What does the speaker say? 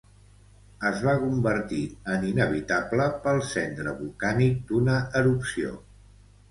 Es va convertir en inhabitable pel cendre volcànic d'una erupció.